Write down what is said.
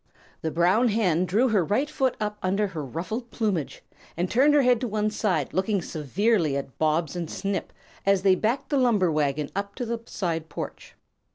The Brown Hen drew her right foot up under her ruffled plumage and turned her head to one side, looking severely at Bobs and Snip as they backed the lumber wagon up to the side porch.